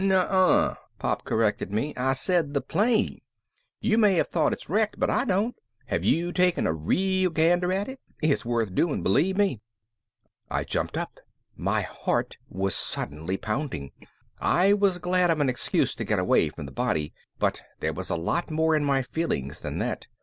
"Nuh uh," Pop corrected me. "I said the plane. You may have thought it's wrecked, but I don't. Have you taken a real gander at it? It's worth doing, believe me." I jumped up. My heart was suddenly pounding. I was glad of an excuse to get away from the body, but there was a lot more in my feelings than that.